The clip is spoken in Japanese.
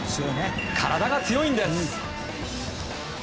体が強いんです！